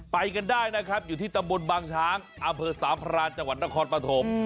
ไปกันได้นะครับอยู่ที่ตำบลบางช้างอสาพราณจนครปฐม